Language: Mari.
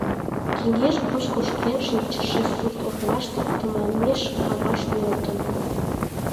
Кеҥеж гоч кошкен шинчыше сурт-оралте тыманмеш каваш нӧлтын.